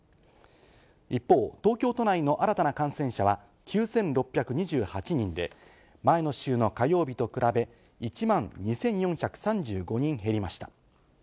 一方、東京都内の新たな感染者は９６２８人で、前の週の火曜日と比べ、１万２４３５人減りました。